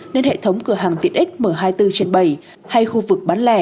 nên hệ thống cửa hàng tiện ích mở hai mươi bốn trên bảy hay khu vực bán lẻ